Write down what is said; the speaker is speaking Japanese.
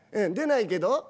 出ないけど？